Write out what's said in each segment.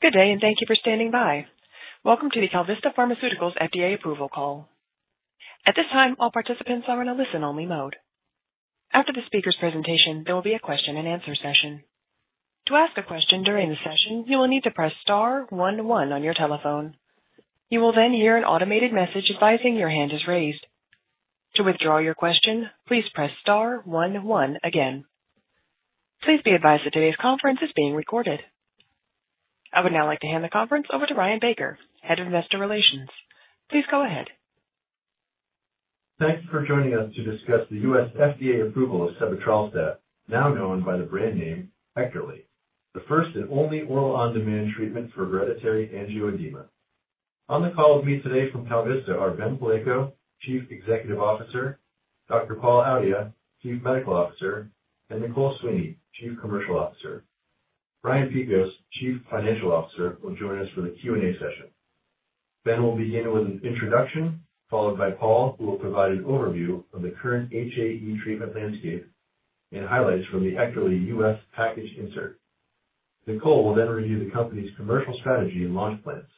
Good day and thank you for standing by. Welcome to the KalVista Pharmaceuticals FDA approval call. At this time, all participants are in a listen-only mode. After the speaker's presentation, there will be a question and answer session. To ask a question during the session, you will need to press star one one on your telephone. You will then hear an automated message advising your hand is raised. To withdraw your question, please press star one one again. Please be advised that today's conference is being recorded. I would now like to hand the conference over to Ryan Baker, Head of Investor Relations. Please go ahead. Thank you for joining us to discuss the U.S. FDA approval of sebetralstat, now known by the brand name Ekterly, the first and only oral on-demand treatment for hereditary angioedema. On the call with me today from KalVista are Ben Palleiko, Chief Executive Officer, Dr. Paul Audhya, Chief Medical Officer, and Nicole Sweeny, Chief Commercial Officer. Brian Piekos, Chief Financial Officer, will join us for the Q&A session. Ben will begin with an introduction, followed by Paul, who will provide an overview of the current HAE treatment landscape and highlights from the Ekterly U.S. package insert. Nicole will then review the company's commercial strategy and launch plans.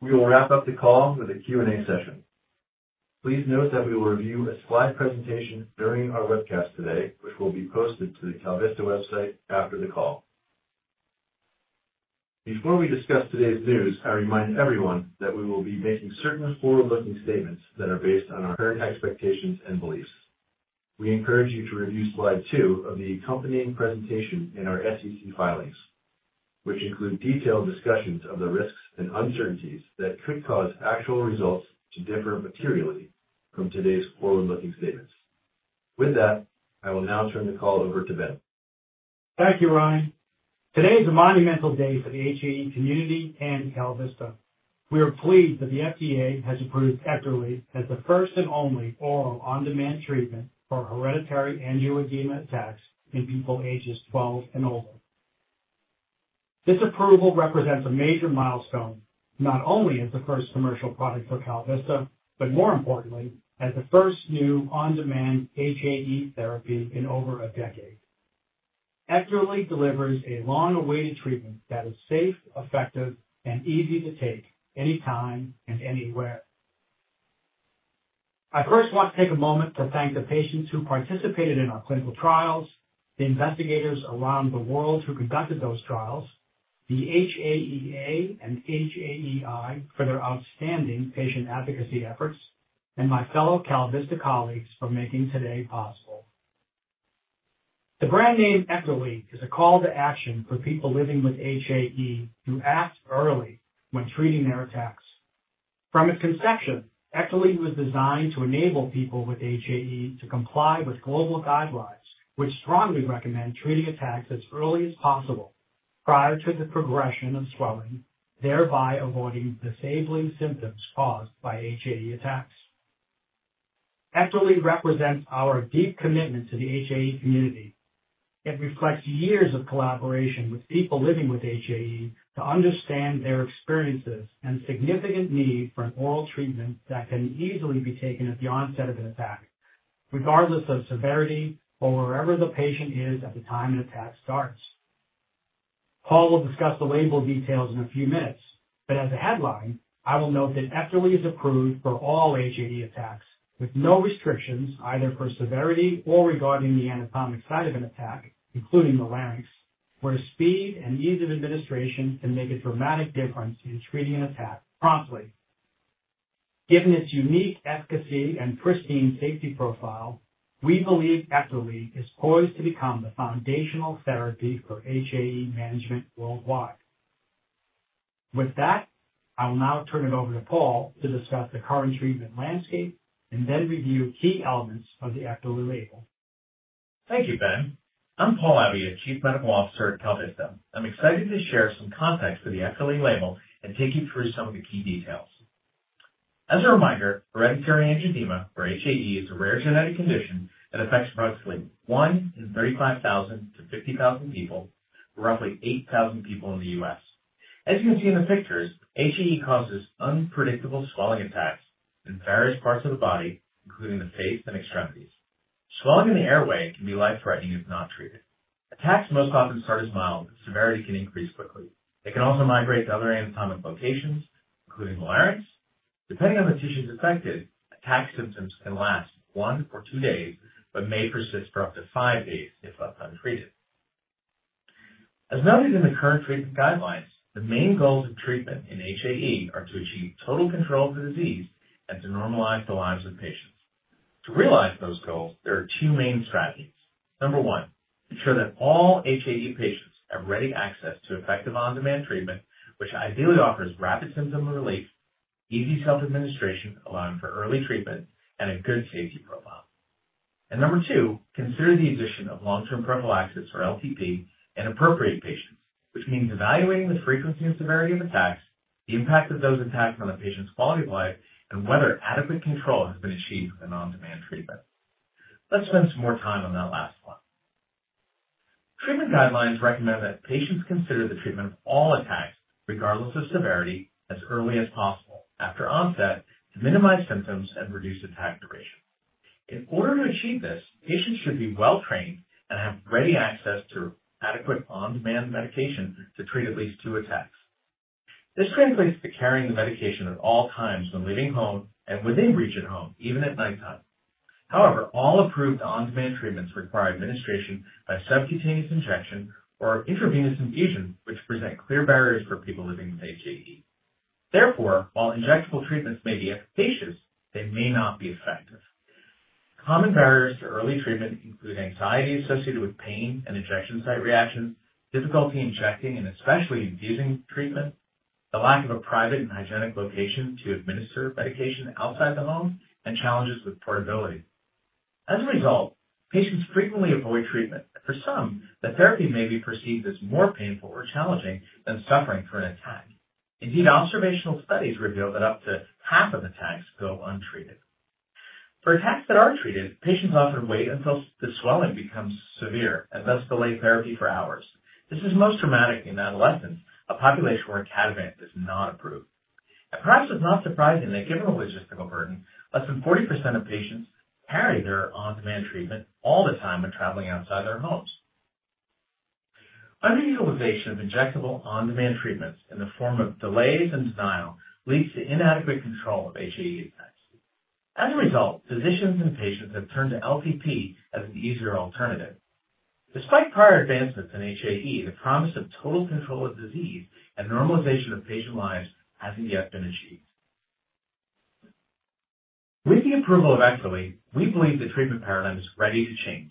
We will wrap up the call with a Q&A session. Please note that we will review a slide presentation during our webcast today, which will be posted to the KalVista website after the call. Before we discuss today's news, I remind everyone that we will be making certain forward-looking statements that are based on our current expectations and beliefs. We encourage you to review slide two of the accompanying presentation in our SEC filings, which include detailed discussions of the risks and uncertainties that could cause actual results to differ materially from today's forward-looking statements. With that, I will now turn the call over to Ben. Thank you, Ryan. Today is a monumental day for the HAE community and KalVista. We are pleased that the FDA has approved Ekterly as the first and only oral on-demand treatment for hereditary angioedema attacks in people ages 12 and older. This approval represents a major milestone, not only as the first commercial product for KalVista, but more importantly, as the first new on-demand HAE therapy in over a decade. Ekterly delivers a long-awaited treatment that is safe, effective, and easy to take anytime and anywhere. I first want to take a moment to thank the patients who participated in our clinical trials, the investigators around the world who conducted those trials, the HAEA and HAEI for their outstanding patient advocacy efforts, and my fellow KalVista colleagues for making today possible. The brand name Ekterly is a call to action for people living with HAE to act early when treating their attacks. From its conception, Ekterly was designed to enable people with HAE to comply with global guidelines, which strongly recommend treating attacks as early as possible, prior to the progression of swelling, thereby avoiding disabling symptoms caused by HAE attacks. Ekterly represents our deep commitment to the HAE community. It reflects years of collaboration with people living with HAE to understand their experiences and significant need for an oral treatment that can easily be taken at the onset of an attack, regardless of severity or wherever the patient is at the time an attack starts. Paul will discuss the label details in a few minutes, but as a headline, I will note that Ekterly is approved for all HAE attacks with no restrictions, either for severity or regarding the anatomic site of an attack, including the larynx, where speed and ease of administration can make a dramatic difference in treating an attack promptly. Given its unique efficacy and pristine safety profile, we believe Ekterly is poised to become the foundational therapy for HAE management worldwide. With that, I will now turn it over to Paul to discuss the current treatment landscape and then review key elements of the Ekterly label. Thank you, Ben. I'm Dr. Paul Audhya, Chief Medical Officer at KalVista. I'm excited to share some context for the Ekterly label and take you through some of the key details. As a reminder, hereditary angioedema, or HAE, is a rare genetic condition that affects approximately 1 in 35,000-50,000 people, roughly 8,000 people in the U.S. As you can see in the pictures, HAE causes unpredictable swelling attacks in various parts of the body, including the face and extremities. Swelling in the airway can be life-threatening if not treated. Attacks most often start as mild, but severity can increase quickly. They can also migrate to other anatomic locations, including the larynx. Depending on the tissues affected, attack symptoms can last one or two days, but may persist for up to five days if left untreated. As noted in the current treatment guidelines, the main goals of treatment in HAE are to achieve total control of the disease and to normalize the lives of patients. To realize those goals, there are two main strategies. Number one, ensure that all HAE patients have ready access to effective on-demand treatment, which ideally offers rapid symptom relief, easy self-administration, allowing for early treatment, and a good safety profile. Number two, consider the addition of long-term prophylaxis, or LTP, in appropriate patients, which means evaluating the frequency and severity of attacks, the impact of those attacks on the patient's quality of life, and whether adequate control has been achieved with an on-demand treatment. Let's spend some more time on that last slide. Treatment guidelines recommend that patients consider the treatment of all attacks, regardless of severity, as early as possible after onset to minimize symptoms and reduce attack duration. In order to achieve this, patients should be well-trained and have ready access to adequate on-demand medication to treat at least two attacks. This translates to carrying the medication at all times when leaving home and when they reach at home, even at nighttime. However, all approved on-demand treatments require administration by subcutaneous injection or intravenous infusion, which present clear barriers for people living with HAE. Therefore, while injectable treatments may be efficacious, they may not be effective. Common barriers to early treatment include anxiety associated with pain and injection site reactions, difficulty injecting and especially infusing treatment, the lack of a private and hygienic location to administer medication outside the home, and challenges with portability. As a result, patients frequently avoid treatment, and for some, the therapy may be perceived as more painful or challenging than suffering through an attack. Indeed, observational studies reveal that up to half of attacks go untreated. For attacks that are treated, patients often wait until the swelling becomes severe and thus delay therapy for hours. This is most dramatic in adolescents, a population where Ekterly is not approved. Perhaps it's not surprising that, given the logistical burden, less than 40% of patients carry their on-demand treatment all the time when traveling outside their homes. Underutilization of injectable on-demand treatments in the form of delays and denial leads to inadequate control of HAE attacks. As a result, physicians and patients have turned to LTP as an easier alternative. Despite prior advancements in HAE, the promise of total control of disease and normalization of patient lives hasn't yet been achieved. With the approval of Ekterly, we believe the treatment paradigm is ready to change.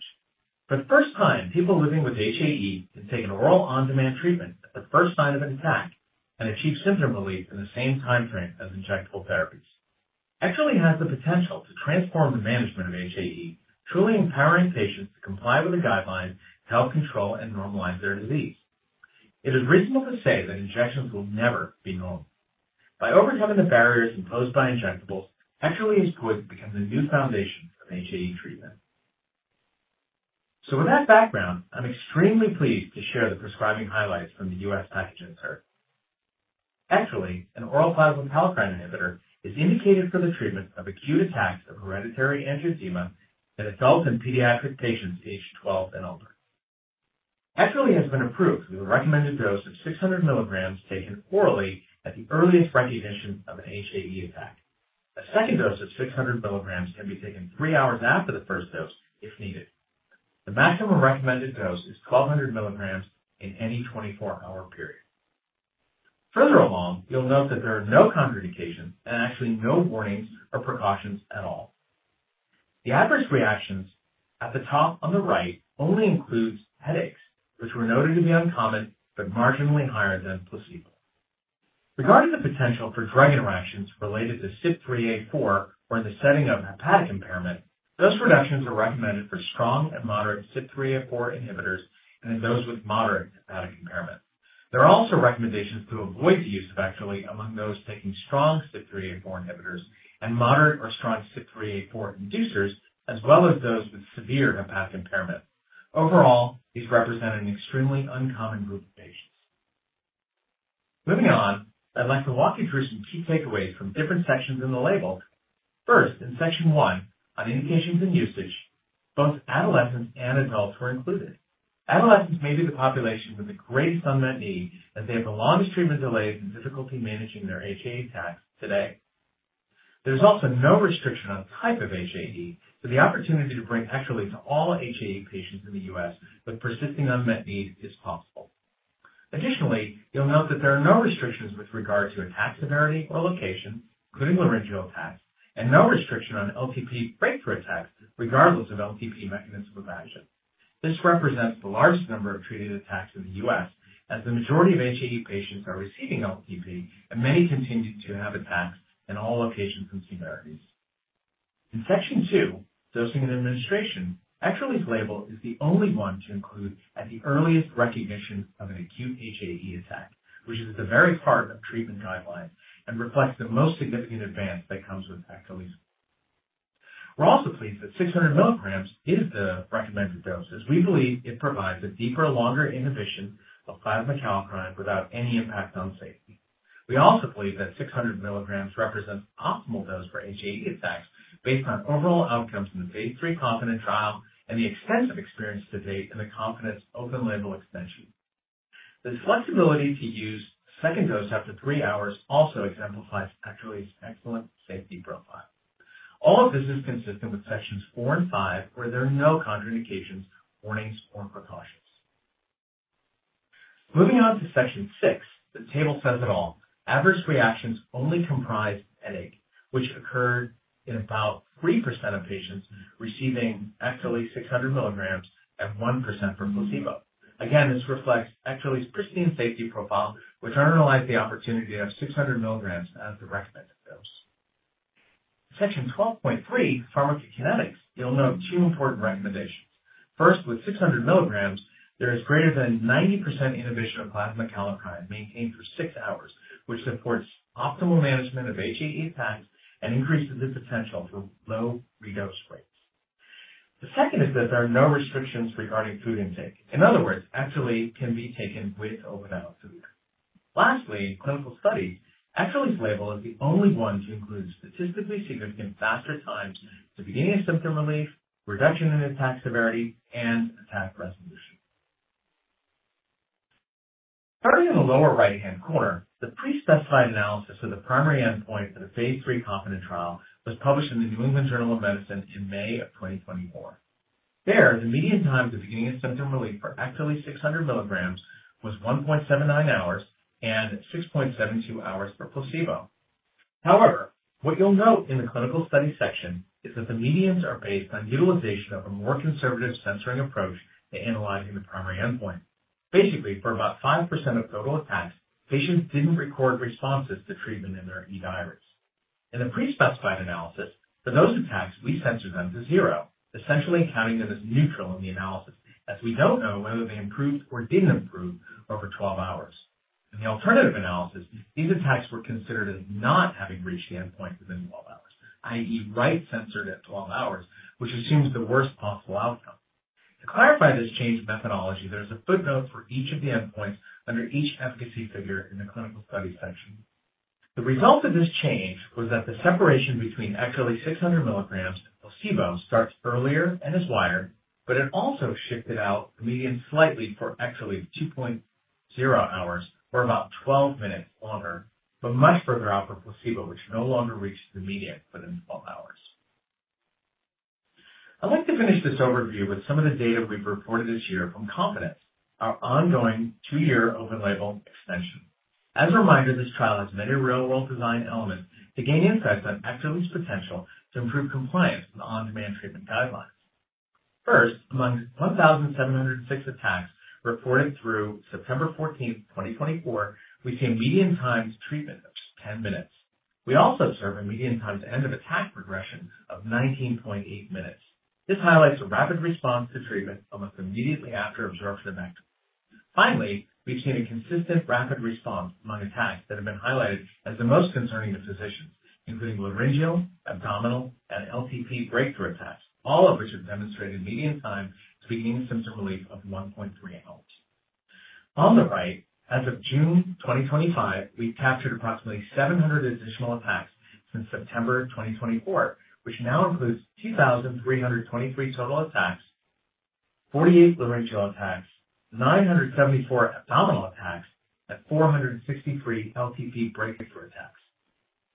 For the first time, people living with HAE can take an oral on-demand treatment at the first sign of an attack and achieve symptom relief in the same time frame as injectable therapies. Ekterly has the potential to transform the management of HAE, truly empowering patients to comply with the guidelines to help control and normalize their disease. It is reasonable to say that injections will never be normal. By overcoming the barriers imposed by injectables, Ekterly is poised to become the new foundation of HAE treatment. With that background, I'm extremely pleased to share the prescribing highlights from the U.S. package insert. Ekterly, an oral plasma kallikrein inhibitor, is indicated for the treatment of acute attacks of hereditary angioedema in adults and pediatric patients age 12 and older. Ekterly has been approved with a recommended dose of 600 mg taken orally at the earliest recognition of an HAE attack. A second dose of 600 mg can be taken three hours after the first dose if needed. The maximum recommended dose is 1,200 mg in any 24-hour period. Further along, you'll note that there are no contraindications and actually no warnings or precautions at all. The adverse reactions at the top on the right only include headaches, which were noted to be uncommon but marginally higher than placebo. Regarding the potential for drug interactions related to CYP3A4 or in the setting of hepatic impairment, those reductions are recommended for strong and moderate CYP3A4 inhibitors and in those with moderate hepatic impairment. There are also recommendations to avoid the use of Ekterly among those taking strong CYP3A4 inhibitors and moderate or strong CYP3A4 inducers, as well as those with severe hepatic impairment. Overall, these represent an extremely uncommon group of patients. Moving on, I'd like to walk you through some key takeaways from different sections in the label. First, in section one, on indications and usage, both adolescents and adults were included. Adolescents may be the population with the greatest unmet need, as they have the longest treatment delays and difficulty managing their HAE attacks today. There's also no restriction on the type of HAE, so the opportunity to bring Ekterly to all HAE patients in the U.S. with persisting unmet needs is possible. Additionally, you'll note that there are no restrictions with regard to attack severity or location, including laryngeal attacks, and no restriction on LTP breakthrough attacks, regardless of LTP mechanism of action. This represents the largest number of treated attacks in the U.S., as the majority of HAE patients are receiving LTP, and many continue to have attacks in all locations and severities. In section two, dosing and administration, Ekterly's label is the only one to include at the earliest recognition of an acute HAE attack, which is the very heart of treatment guidelines and reflects the most significant advance that comes with Ekterly. We're also pleased that 600 mg is the recommended dose, as we believe it provides a deeper, longer inhibition of plasma kallikrein without any impact on safety. We also believe that 600 mg represents an optimal dose for HAE attacks based on overall outcomes in the phase III KONFIDENT trial and the extensive experience to date in the KONFIDENT open-label extension. This flexibility to use a second dose after three hours also exemplifies Ekterly's excellent safety profile. All of this is consistent with sections four and five, where there are no contraindications, warnings, or precautions. Moving on to section six, the table says it all. Adverse reactions only comprise headache, which occurred in about 3% of patients receiving Ekterly 600 mg and 1% for placebo. Again, this reflects Ekterly's pristine safety profile, which underlines the opportunity to have 600 mg as the recommended dose. Section 12.3, pharmacokinetics, you'll note two important recommendations. First, with 600 mg, there is greater than 90% inhibition of plasma kallikrein maintained for six hours, which supports optimal management of HAE attacks and increases the potential for low redose rates. The second is that there are no restrictions regarding food intake. In other words, Ekterly can be taken with or without food. Lastly, clinical studies, Ekterly's label is the only one to include statistically significant faster times to beginning of symptom relief, reduction in attack severity, and attack resolution. Starting in the lower right-hand corner, the pre-specified analysis of the primary endpoint for the phase III KONFIDENT trial was published in the New England Journal of Medicine in May of 2024. There, the median time to beginning of symptom relief for Ekterly 600 mg was 1.79 hours and 6.72 hours for placebo. However, what you'll note in the clinical study section is that the medians are based on utilization of a more conservative censoring approach to analyzing the primary endpoint. Basically, for about 5% of total attacks, patients didn't record responses to treatment in their eDiary. In the pre-specified analysis, for those attacks, we censored them to zero, essentially counting them as neutral in the analysis, as we don't know whether they improved or didn't improve over 12 hours. In the alternative analysis, these attacks were considered as not having reached the endpoint within 12 hours, i.e., right censored at 12 hours, which assumes the worst possible outcome. To clarify this change in methodology, there is a footnote for each of the endpoints under each efficacy figure in the clinical study section. The result of this change was that the separation between Ekterly 600 mg and placebo starts earlier and is wider, but it also shifted out the median slightly for Ekterly to 2.0 hours, or about 12 minutes longer, but much further out for placebo, which no longer reached the median within 12 hours. I'd like to finish this overview with some of the data we've reported this year from KONFIDENT, our ongoing two-year open-label extension. As a reminder, this trial has many real-world design elements to gain insights on Ekterly's potential to improve compliance with on-demand treatment guidelines. First, amongst 1,706 attacks reported through September 14th, 2024, we see a median time to treatment of 10 minutes. We also observe a median time to end of attack progression of 19.8 minutes. This highlights a rapid response to treatment almost immediately after absorption of Ekterly. Finally, we've seen a consistent rapid response among attacks that have been highlighted as the most concerning to physicians, including laryngeal, abdominal, and LTP breakthrough attacks, all of which have demonstrated median time to beginning symptom relief of 1.3 hours. On the right, as of June 2025, we've captured approximately 700 additional attacks since September 2024, which now includes 2,323 total attacks, 48 laryngeal attacks, 974 abdominal attacks, and 463 LTP breakthrough attacks.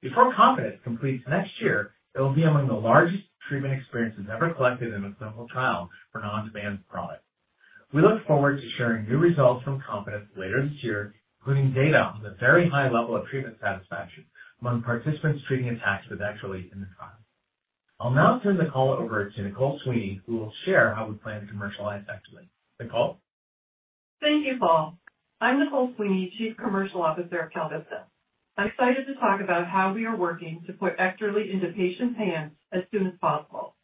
Before KONFIDENT completes next year, it will be among the largest treatment experiences ever collected in a clinical trial for on-demand product. We look forward to sharing new results from KONFIDENT later this year, including data on the very high level of treatment satisfaction among participants treating attacks with Ekterly in the trial. I'll now turn the call over to Nicole Sweeney, who will share how we plan to commercialize Ekterly. Nicole? Thank you, Paul. I'm Nicole Sweeny, Chief Commercial Officer of KalVista. I'm excited to talk about how we are working to put Ekterly into patients' hands as soon as possible.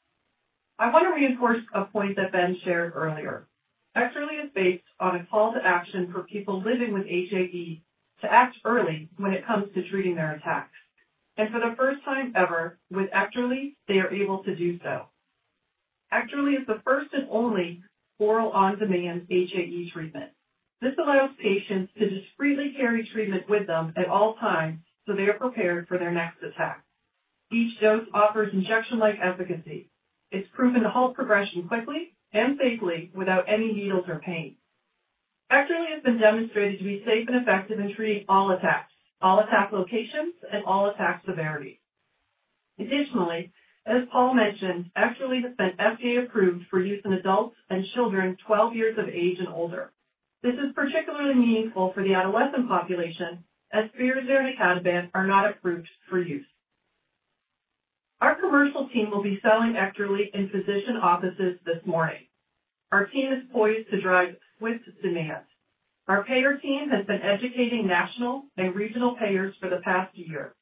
I want to reinforce a point that Ben shared earlier. Ekterly is based on a call to action for people living with HAE to act early when it comes to treating their attacks. For the first time ever with Ekterly, they are able to do so. Ekterly is the first and only oral on-demand HAE treatment. This allows patients to discreetly carry treatment with them at all times so they are prepared for their next attack. Each dose offers injection-like efficacy. It's proven to halt progression quickly and safely without any needles or pain. Ekterly has been demonstrated to be safe and effective in treating all attacks, all attack locations, and all attack severity. Additionally, as Paul mentioned, Ekterly has been FDA approved for use in adults and children 12 years of age and older. This is particularly meaningful for the adolescent population as Firazyr icatibant are not approved for use. Our commercial team will be selling Ekterly in physician offices this morning. Our team is poised to drive swift demand. Our payer team has been educating national and regional payers for the past year.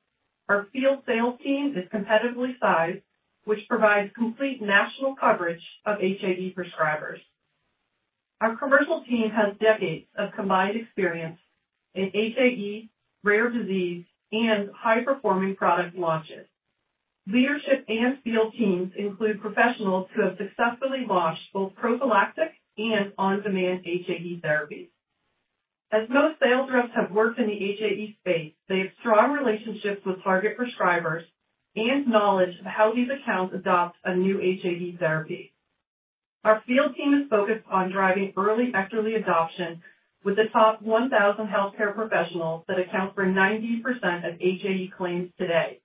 Our field sales team is competitively sized, which provides complete national coverage of HAE prescribers. Our commercial team has decades of combined experience in HAE, rare disease, and high-performing product launches. Leadership and field teams include professionals who have successfully launched both prophylactic and on-demand HAE therapies. As most sales reps have worked in the HAE space, they have strong relationships with target prescribers and knowledge of how these accounts adopt a new HAE therapy. Our field team is focused on driving early Ekterly adoption with the top 1,000 healthcare professionals that account for 90% of HAE claims today,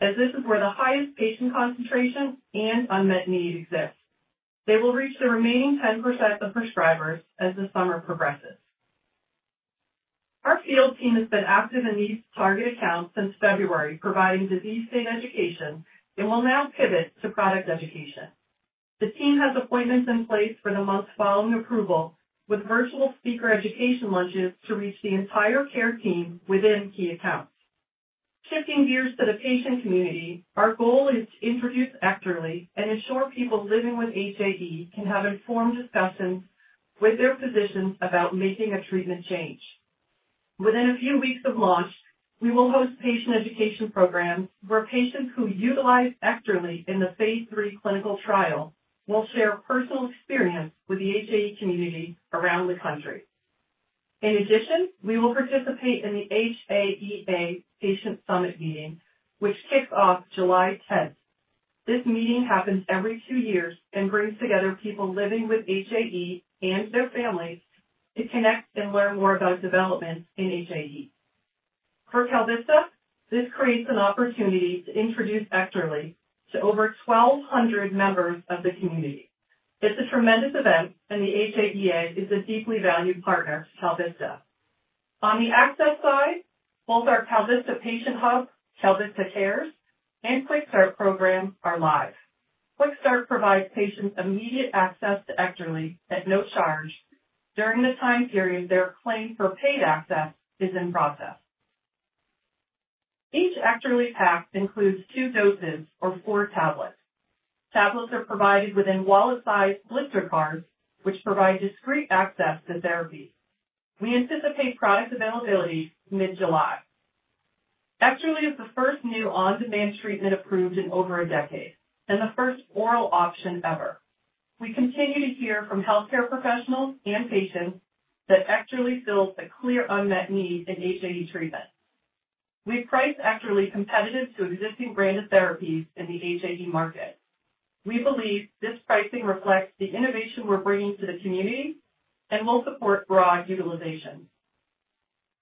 as this is where the highest patient concentration and unmet need exists. They will reach the remaining 10% of prescribers as the summer progresses. Our field team has been active in these target accounts since February, providing disease state education, and will now pivot to product education. The team has appointments in place for the month following approval, with virtual speaker education lunches to reach the entire care team within key accounts. Shifting gears to the patient community, our goal is to introduce Ekterly and ensure people living with HAE can have informed discussions with their physicians about making a treatment change. Within a few weeks of launch, we will host patient education programs where patients who utilized Ekterly in the phase III clinical trial will share personal experience with the HAE community around the country. In addition, we will participate in the HAEA patient summit meeting, which kicks off July 10th. This meeting happens every two years and brings together people living with HAE and their families to connect and learn more about developments in HAE. For KalVista, this creates an opportunity to introduce Ekterly to over 1,200 members of the community. It's a tremendous event, and the HAEA is a deeply valued partner to KalVista. On the access side, both our KalVista patient hub, KalVista Cares, and QuickStart programs are live. QuickStart provides patients immediate access to Ekterly at no charge during the time period their claim for paid access is in process. Each Ekterly pack includes two doses or four tablets. Tablets are provided within wallet-sized blister cards, which provide discreet access to therapy. We anticipate product availability mid-July. Ekterly is the first new on-demand treatment approved in over a decade and the first oral option ever. We continue to hear from healthcare professionals and patients that Ekterly fills a clear unmet need in HAE treatment. We price Ekterly competitive to existing branded therapies in the HAE market. We believe this pricing reflects the innovation we're bringing to the community and will support broad utilization.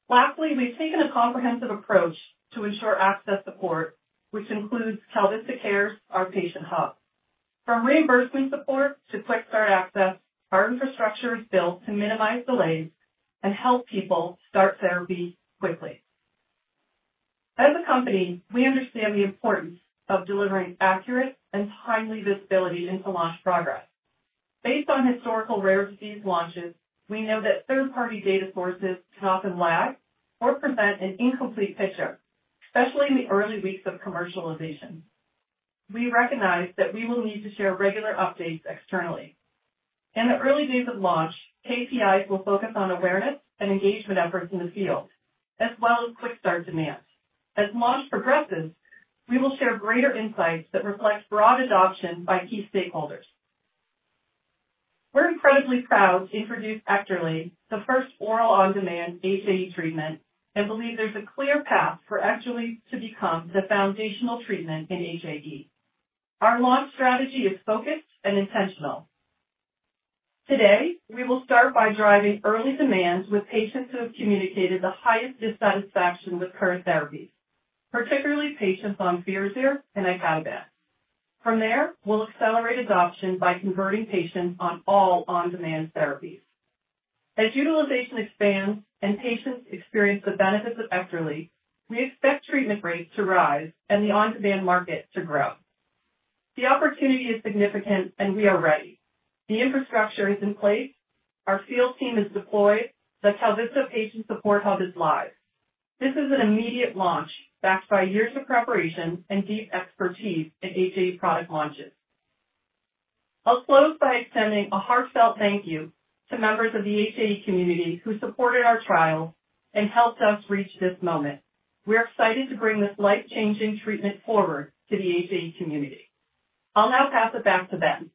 Lastly, we've taken a comprehensive approach to ensure access support, which includes KalVista Cares, our patient hub. From reimbursement support to QuickStart access, our infrastructure is built to minimize delays and help people start therapy quickly. As a company, we understand the importance of delivering accurate and timely visibility into launch progress. Based on historical rare disease launches, we know that third-party data sources can often lag or present an incomplete picture, especially in the early weeks of commercialization. We recognize that we will need to share regular updates externally. In the early days of launch, KPIs will focus on awareness and engagement efforts in the field, as well as QuickStart demands. As launch progresses, we will share greater insights that reflect broad adoption by key stakeholders. We're incredibly proud to introduce Ekterly, the first oral on-demand HAE treatment, and believe there's a clear path for Ekterly to become the foundational treatment in HAE. Our launch strategy is focused and intentional. Today, we will start by driving early demand with patients who have communicated the highest dissatisfaction with current therapies, particularly patients on Firazyr and icatibant. From there, we'll accelerate adoption by converting patients on all on-demand therapies. As utilization expands and patients experience the benefits of Ekterly, we expect treatment rates to rise and the on-demand market to grow. The opportunity is significant, and we are ready. The infrastructure is in place. Our field team is deployed. The KalVista Cares patient support hub is live. This is an immediate launch backed by years of preparation and deep expertise in HAE product launches. I'll close by extending a heartfelt thank you to members of the HAE community who supported our trials and helped us reach this moment. We're excited to bring this life-changing treatment forward to the HAE community. I'll now pass it back to Ben.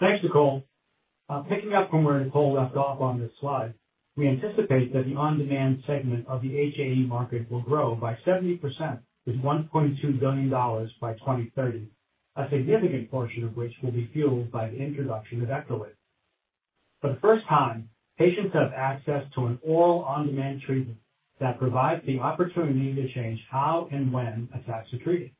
Thanks, Nicole. Picking up from where Nicole left off on this slide, we anticipate that the on-demand segment of the HAE market will grow by 70% with $1.2 billion by 2030, a significant portion of which will be fueled by the introduction of Ekterly. For the first time, patients have access to an oral on-demand treatment that provides the opportunity to change how and when attacks are treated.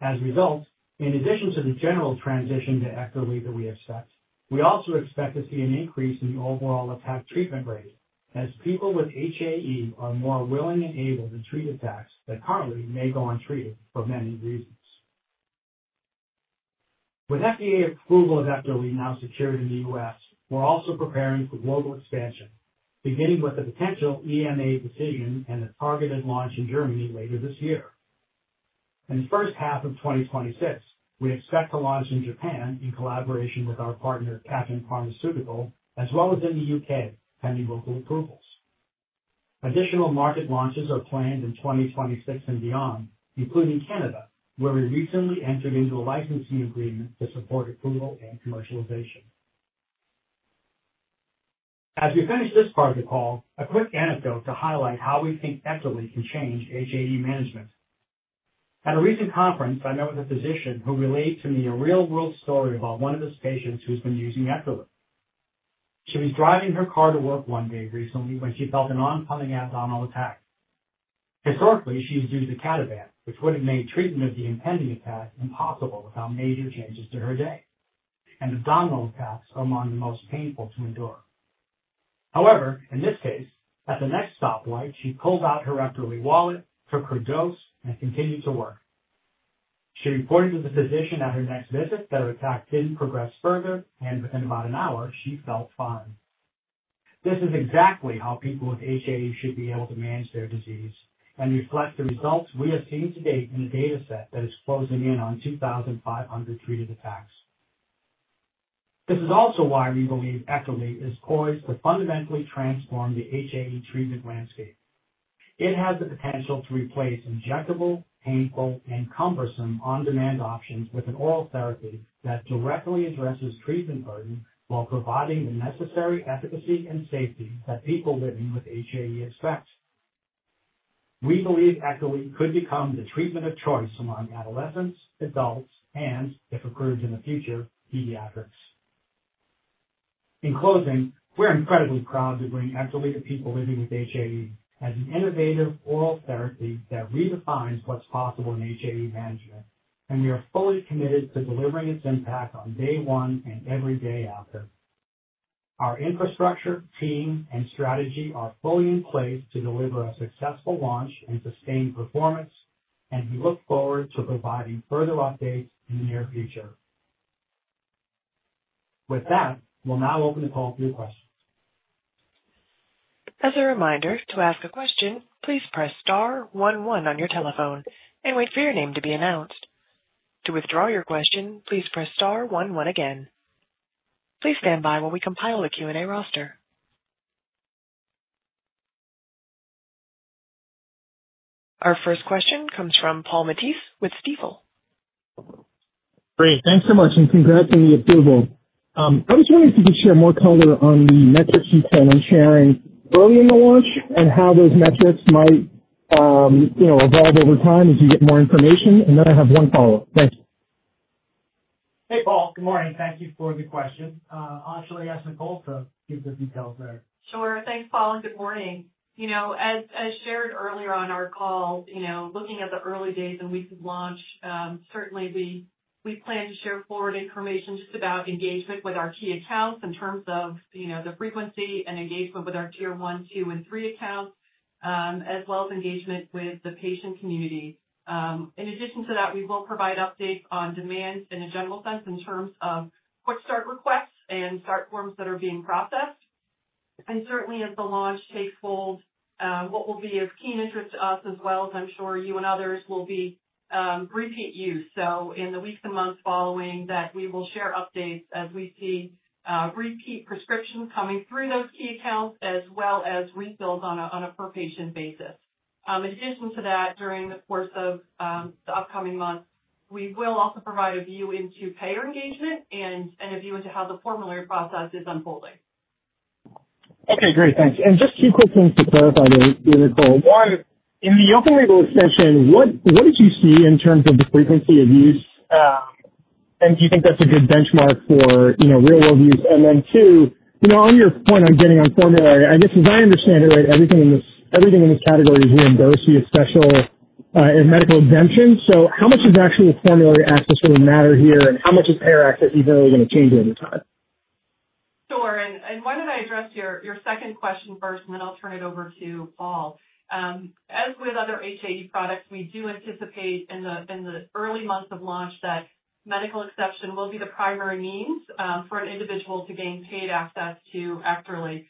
As a result, in addition to the general transition to Ekterly that we expect, we also expect to see an increase in the overall attack treatment rate, as people with HAE are more willing and able to treat attacks that currently may go untreated for many reasons. With FDA approval of Ekterly now secured in the U.S., we're also preparing for global expansion, beginning with the potential EMA decision and a targeted launch in Germany later this year. In the first half of 2026, we expect to launch in Japan in collaboration with our partner, Kaken Pharmaceutical, as well as in the U.K., pending local approvals. Additional market launches are planned in 2026 and beyond, including Canada, where we recently entered into a licensing agreement to support approval and commercialization. As we finish this part of the call, a quick anecdote to highlight how we think Ekterly can change HAE management. At a recent conference, I met with a physician who relayed to me a real-world story about one of his patients who's been using Ekterly. She was driving her car to work one day recently when she felt an oncoming abdominal attack. Historically, she's used icatibant, which would have made treatment of the impending attack impossible without major changes to her day. Abdominal attacks are among the most painful to endure. However, in this case, at the next stoplight, she pulled out her Ekterly wallet, took her dose, and continued to work. She reported to the physician at her next visit that her attack didn't progress further, and within about an hour, she felt fine. This is exactly how people with HAE should be able to manage their disease and reflect the results we have seen to date in the data set that is closing in on 2,500 treated attacks. This is also why we believe Ekterly is poised to fundamentally transform the HAE treatment landscape. It has the potential to replace injectable, painful, and cumbersome on-demand options with an oral therapy that directly addresses treatment burden while providing the necessary efficacy and safety that people living with HAE expect. We believe Ekterly could become the treatment of choice among adolescents, adults, and, if approved in the future, pediatrics. In closing, we're incredibly proud to bring Ekterly to people living with HAE as an innovative oral therapy that redefines what's possible in HAE management, and we are fully committed to delivering its impact on day one and every day after. Our infrastructure, team, and strategy are fully in place to deliver a successful launch and sustained performance, and we look forward to providing further updates in the near future. With that, we'll now open the call for your questions. As a reminder, to ask a question, please press star one one on your telephone and wait for your name to be announced. To withdraw your question, please press star one one again. Please stand by while we compile the Q&A roster. Our first question comes from Paul Matteis with Stifel. Great. Thanks so much, and congrats on the approval. I was wondering if you could share more color on the metrics you plan on sharing early in the launch and how those metrics might evolve over time as you get more information. I have one follow-up. Thanks. Hey, Paul. Good morning. Thank you for the question. I'll actually ask Nicole to give the details there. Sure. Thanks, Paul, and good morning. As shared earlier on our call, looking at the early days and weeks of launch, we plan to share forward information just about engagement with our key accounts in terms of the frequency and engagement with our tier one, two, and three accounts, as well as engagement with the patient community. In addition to that, we will provide updates on demand in a general sense in terms of QuickStart requests and start forms that are being processed. Certainly, as the launch takes hold, what will be of keen interest to us, as well as I'm sure you and others, will be repeat use. In the weeks and months following that, we will share updates as we see repeat prescriptions coming through those key accounts as well as refills on a per-patient basis. In addition to that, during the course of the upcoming months, we will also provide a view into payer engagement and a view into how the formulary process is unfolding. Okay. Great. Thanks. Just two quick things to clarify there, Nicole. One, in the open-label extension, what did you see in terms of the frequency of use? Do you think that's a good benchmark for, you know, real-world use? Two, on your point on getting on formulary, I guess, as I understand it, right, everything in this category is reimbursed via special medical exemptions. How much does actual formulary access really matter here, and how much is payer access even really going to change over time? Sure. Why don't I address your second question first, and then I'll turn it over to Paul. As with other HAE products, we do anticipate in the early months of launch that medical exception will be the primary means for an individual to gain paid access to Ekterly.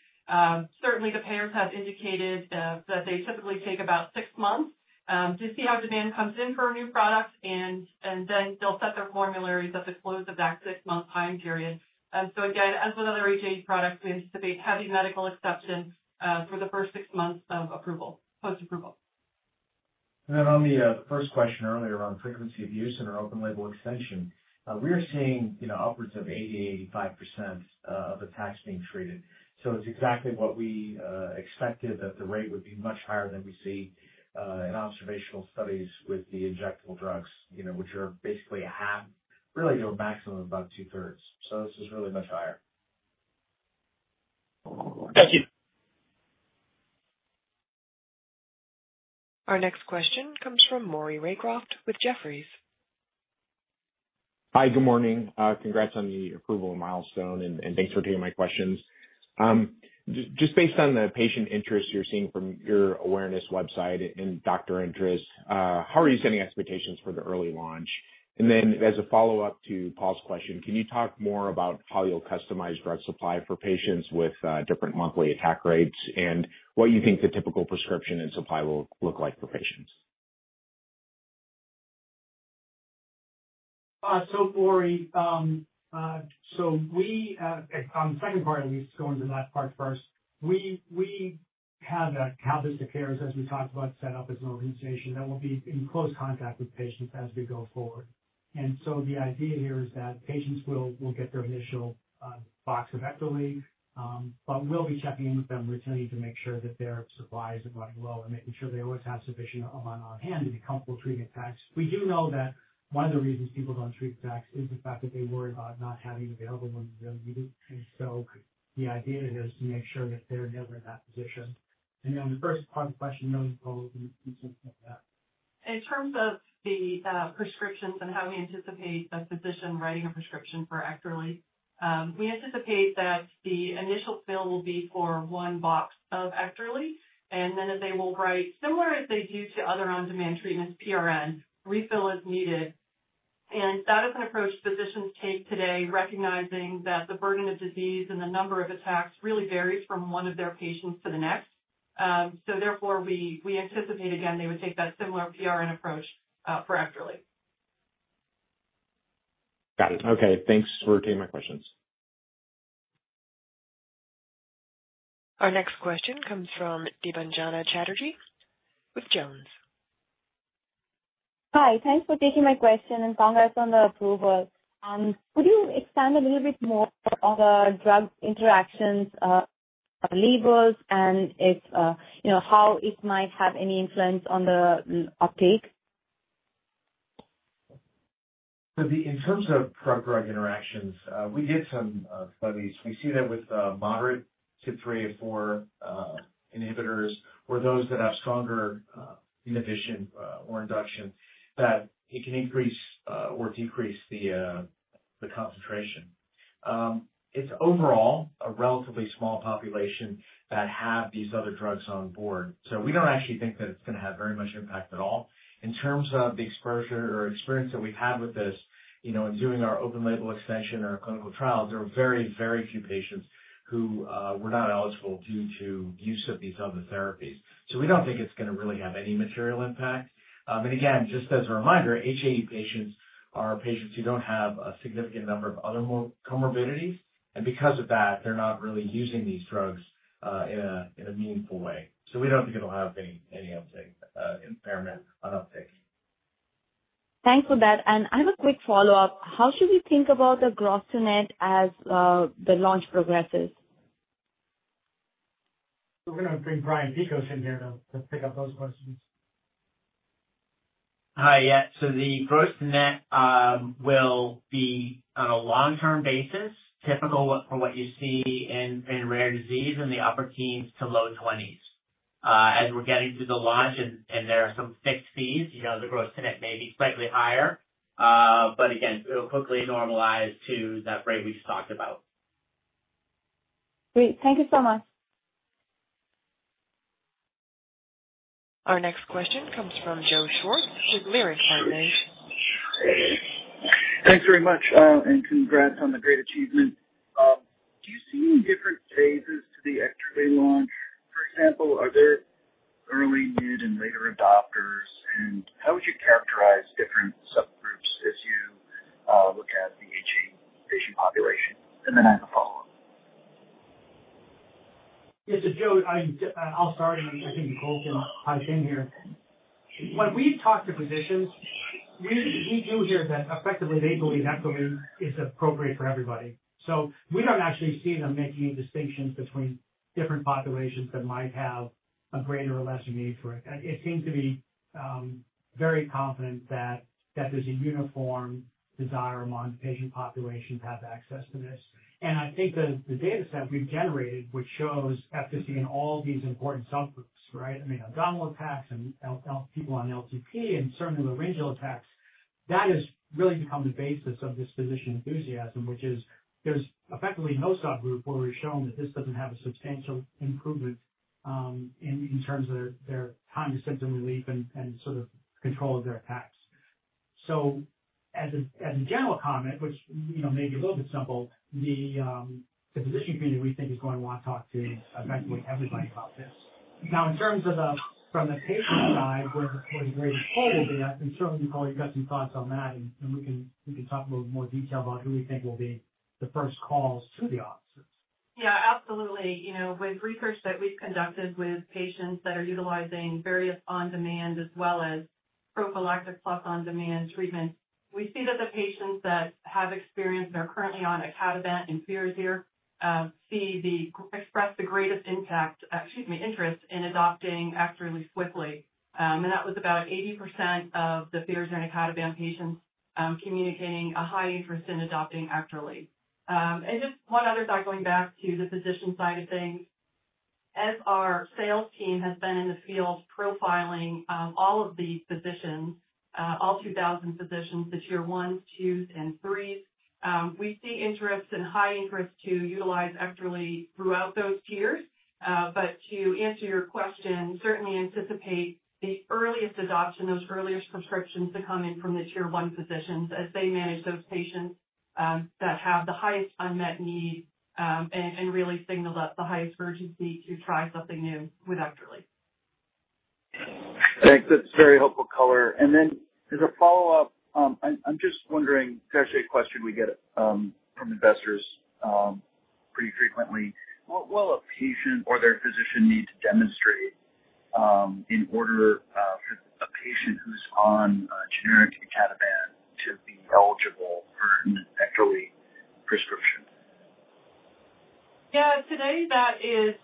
Certainly, the payers have indicated that they typically take about six months to see how demand comes in for a new product, and then they'll set their formularies at the close of that six-month time period. As with other HAE products, we anticipate heavy medical exception for the first six months of post-approval. On the first question earlier around frequency of use in our open-label extension, we are seeing upwards of 80%-85% of attacks being treated. It's exactly what we expected, that the rate would be much higher than we see in observational studies with the injectable drugs, which are basically a half, really to a maximum of about two-thirds. This is really much higher. Thank you. Our next question comes from Maury Raycroft with Jefferies. Hi. Good morning. Congrats on the approval milestone, and thanks for taking my questions. Just based on the patient interest you're seeing from your awareness website and doctor interest, how are you setting expectations for the early launch? As a follow-up to Paul's question, can you talk more about how you'll customize drug supply for patients with different monthly attack rates and what you think the typical prescription and supply will look like for patients? Maury, on the second part, at least, going to that part first, we have KalVista Cares, as we talked about, set up as an organization that will be in close contact with patients as we go forward. The idea here is that patients will get their initial box of Ekterly, but we'll be checking in with them routinely to make sure that their supply isn't running low and making sure they always have sufficient amount on hand to be comfortable treating attacks. We do know that one of the reasons people don't treat attacks is the fact that they worry about not having it available when they really need it. The idea is to make sure that they're never in that position. On the first part of the question, you know, Nicole, you can answer that. In terms of the prescriptions and how we anticipate a physician writing a prescription for Ekterly, we anticipate that the initial fill will be for one box of Ekterly, and then they will write, similar as they do to other on-demand treatments, PRN, refill as needed. That is an approach physicians take today, recognizing that the burden of disease and the number of attacks really varies from one of their patients to the next. Therefore, we anticipate, again, they would take that similar PRN approach for Ekterly. Got it. Okay. Thanks for taking my questions. Our next question comes from Deebanjana Chatterjee with Jones. Hi. Thanks for taking my question and congrats on the approval. Could you expand a little bit more on the drug interactions, labels, and if, you know, how it might have any influence on the uptake? In terms of drug-drug interactions, we did some studies. We see that with moderate CYP3A4 inhibitors or those that have stronger inhibition or induction, it can increase or decrease the concentration. It's overall a relatively small population that have these other drugs on board. We don't actually think that it's going to have very much impact at all. In terms of the exposure or experience that we've had with this, in doing our open-label extension or clinical trials, there are very, very few patients who were not eligible due to use of these other therapies. We don't think it's going to really have any material impact. Again, just as a reminder, HAE patients are patients who don't have a significant number of other comorbidities, and because of that, they're not really using these drugs in a meaningful way. We don't think it'll have any impairment on uptake. Thanks for that. I have a quick follow-up. How should we think about the growth to net as the launch progresses? We're going to bring Brian Piekos in here to pick up those questions. Hi. The gross to net will be on a long-term basis, typical for what you see in rare disease in the upper teens to low 20%. As we're getting through the launch and there are some fixed fees, the gross to net may be slightly higher. Again, it'll quickly normalize to that rate we just talked about. Great, thank you so much. Our next question comes from Joe Schwartz with Leerink Partners. Thanks very much, and congrats on the great achievement. Do you see any different phases to the Ekterly launch? For example, are there early, mid, and later adopters? How would you characterize different subgroups as you look at the HAE patient population? I have a follow-up. Yeah. Joe, I'll start, and I think Nicole can pipe in here. When we talk to physicians, we do hear that effectively they believe Ekterly is appropriate for everybody. We don't actually see them making any distinctions between different populations that might have a greater or lesser need for it. It seems to be very confident that there's a uniform desire among patient populations to have access to this. I think the data set we've generated, which shows efficacy in all these important subgroups, right? I mean, abdominal attacks and people on LTP and certainly laryngeal attacks, that has really become the basis of this physician enthusiasm, which is there's effectively no subgroup where we've shown that this doesn't have a substantial improvement in terms of their time to symptom relief and sort of control of their attacks. As a general comment, which may be a little bit simple, the physician community we think is going to want to talk to effectively everybody about this. In terms of from the patient side where the greatest pull will be, I think certainly, Nicole, you've got some thoughts on that, and we can talk a little bit more detail about who we think will be the first calls to the offices. Yeah. Absolutely. You know, with research that we've conducted with patients that are utilizing various on-demand as well as prophylactic plus on-demand treatments, we see that the patients that have experience and are currently on icatibant and Firazyr express the greatest impact, excuse me, interest in adopting Ekterly quickly. That was about 80% of the Firazyr and icatibant patients, communicating a high interest in adopting Ekterly. Just one other thought going back to the physician side of things. As our sales team has been in the field profiling all of the physicians, all 2,000 physicians, the tier ones, twos, and threes, we see interest and high interest to utilize Ekterly throughout those tiers. To answer your question, certainly anticipate the earliest adoption, those earliest prescriptions to come in from the tier one physicians as they manage those patients that have the highest unmet need, and really signal the highest urgency to try something new with Ekterly. Thanks. That's a very helpful color. As a follow-up, I'm just wondering, especially a question we get from investors pretty frequently, what will a patient or their physician need to demonstrate in order for a patient who's on generic icatibant to be eligible for a Ekterly prescription? Yeah. Today, that is,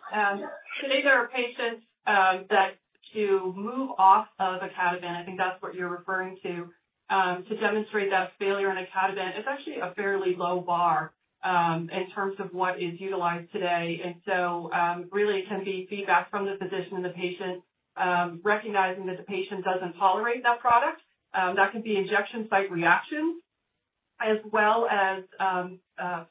today there are patients that, to move off of icatibant, I think that's what you're referring to, to demonstrate that failure on icatibant is actually a fairly low bar in terms of what is utilized today. It can be feedback from the physician and the patient, recognizing that the patient doesn't tolerate that product. That could be injection site reactions as well as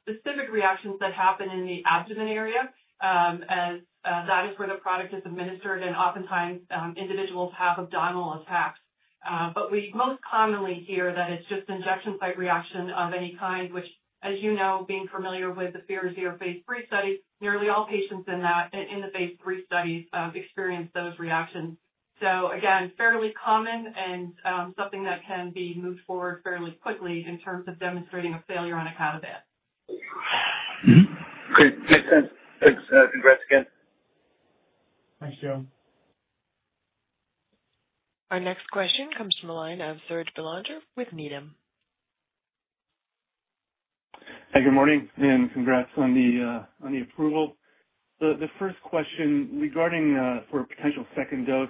specific reactions that happen in the abdomen area, as that is where the product is administered. Oftentimes, individuals have abdominal attacks. We most commonly hear that it's just injection site reaction of any kind, which, as you know, being familiar with the Firazyr phase III studies, nearly all patients in the phase III studies experience those reactions. Again, fairly common and something that can be moved forward fairly quickly in terms of demonstrating a failure on icatibant. Okay. Makes sense. Thanks. Congrats again. Thanks, Joe. Our next question comes from the line of Serge Belanger with Needham. Hi. Good morning, and congrats on the approval. The first question regarding, for a potential second dose,